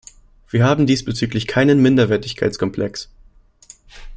Wir haben diesbezüglich keinen Minderwertigkeitskomplex.